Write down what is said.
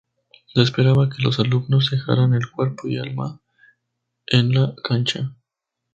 Se esperaba que los alumnos dejaran el cuerpo y alma en la cancha.